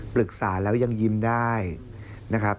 ปรึกษาแล้วยังยิ้มได้นะครับ